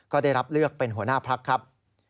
ก็ได้รับเลือกเป็นหัวหน้าพักครับ